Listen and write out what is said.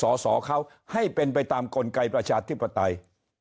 สอสอเขาให้เป็นไปตามกลไกประชาธิปไตย